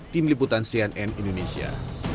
tim liputan cnn indonesia